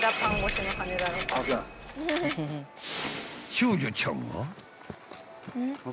［長女ちゃんは］